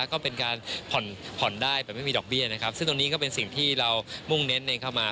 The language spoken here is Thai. ก็เป็นการผ่อนผ่อนได้แบบไม่มีดอกเบี้ยนะครับซึ่งตรงนี้ก็เป็นสิ่งที่เรามุ่งเน้นเองเข้ามา